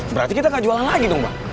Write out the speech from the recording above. berarti kita gak jualan lagi dong pak